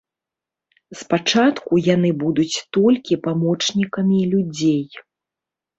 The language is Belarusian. Спачатку яны будуць толькі памочнікамі людзей.